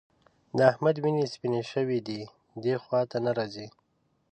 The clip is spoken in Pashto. د احمد وینې سپيېنې شوې دي؛ دې خوا ته نه راځي.